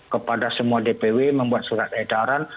kepada semua dpw membuat surat edaran